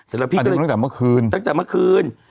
อันนี้มันตั้งแต่เมื่อคืน